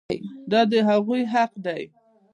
دا د هغوی حق دی.